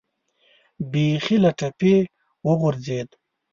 بیخي له ټپې وغورځېد.